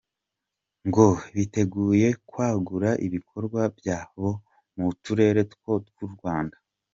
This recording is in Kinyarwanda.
Ngo biteguye kwagura ibikorwa bya bo mu turere twose tw’u Rwanda.